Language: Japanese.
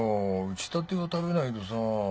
打ちたてを食べないとさ。